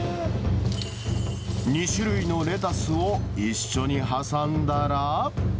２種類のレタスを一緒に挟んだら。